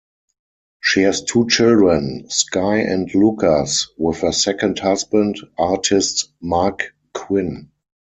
She has two children, Sky and Lucas, with her second husband, artist Marc Quinn.